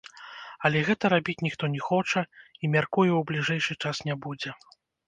Але гэта рабіць ніхто не хоча і, мяркую, у бліжэйшы час не будзе.